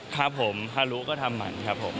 ครับผมถ้ารู้ก็ทำหมันครับผม